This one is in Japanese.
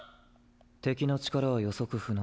⁉敵の力は予測不能。